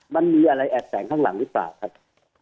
มันมีอะไรแอบแสงข้างหลังหรือเปล่าครับ